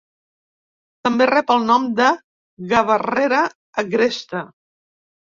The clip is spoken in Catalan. També rep el nom de gavarrera agresta.